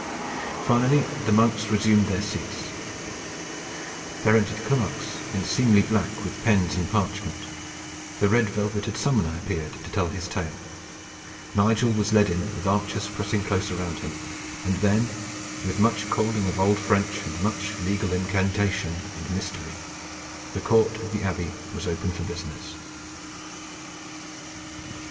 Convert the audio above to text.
Finally the monks resumed their seats; there entered clerks in seemly black with pens and parchment; the red velveted summoner appeared to tell his tale; Nigel was led in with archers pressing close around him; and then, with much calling of old French and much legal incantation and mystery, the court of the Abbey was open for business.